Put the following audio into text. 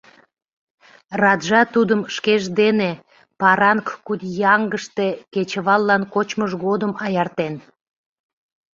Раджа тудым шкеж дене, Паранг-Кудьянгыште кечываллан кочмыж годым аяртен.